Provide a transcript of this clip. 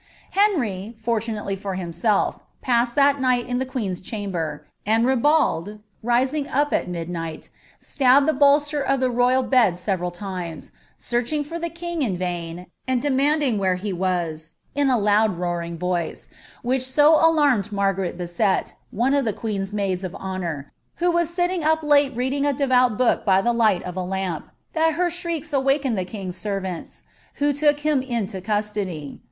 Henry, forinnBiely for himself, pnased that night in the queen's cham hrr. and Ribald, rising up al midnight, stabbed the bolster of the rdjrnl bed »e»etal times, searching for the king in vain, and demanding wheVe Im wa«, in a loud roaring voice, which so alarmed Margaret Bisaet, one of the (joeen's maids of honour, who was silting up late reading a dcvom fcwok by the light of a lamp, ihai her shrieks awakened the king's Mirants, who took him into custody.